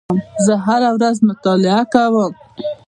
زه هره ورځ مطالعه کوم.